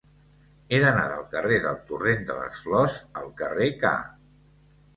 He d'anar del carrer del Torrent de les Flors al carrer K.